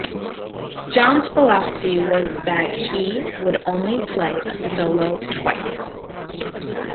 John's philosophy was that he would only play a solo twice.